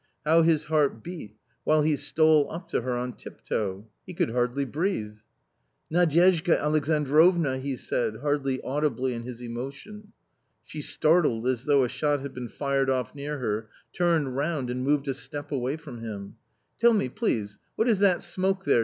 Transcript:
How his heart beat, while he stole up to her on tiptoe ! He could hardly breathe !" Nadyezhda Alexandrovna !" he said, hardly audibly in his emotion. She startled as though a shot had been fired off near her, turned round, and moved a step away from him. " Tell me, please, what is that smoke there